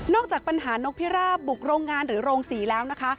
จากปัญหานกพิราบบุกโรงงานหรือโรงศรีแล้วนะคะ